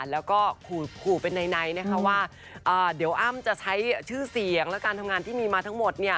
แล้วก็ขู่เป็นในนะคะว่าเดี๋ยวอ้ำจะใช้ชื่อเสียงและการทำงานที่มีมาทั้งหมด